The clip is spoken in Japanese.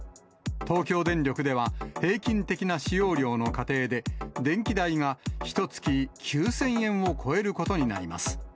東京電力では平均的な使用量の家庭で、電気代がひとつき９０００円を超えることになります。